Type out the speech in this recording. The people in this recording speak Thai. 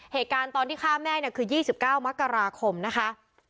เหตุการณ์ตอนที่ฆ่าแม่เนี่ยคือ๒๙มกราคมนะคะ